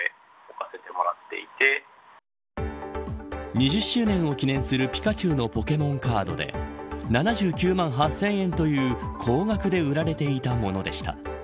２０周年を記念するピカチュウのポケモンカードで７９万８０００円という高額で売られていたものでした。